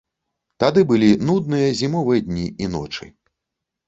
Тады былі нудныя зімовыя дні і ночы.